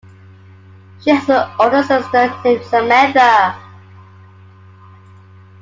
She has an older sister named Samantha.